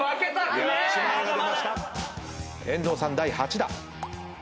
遠藤さん第８打。